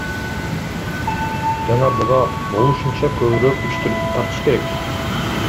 Жана буга болушунча көбүрөөк күчтөрдү тартыш керек.